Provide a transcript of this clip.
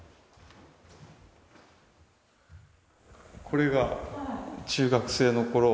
これが中学生のころ